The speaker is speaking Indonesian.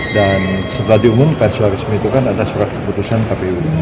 dan setelah diumumkan seharusnya itu kan ada surat keputusan kpu